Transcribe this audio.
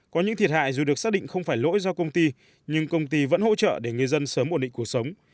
có những thiệt hại dù được xác định không phải lỗi do công ty nhưng công ty vẫn hỗ trợ để người dân sớm ổn định cuộc sống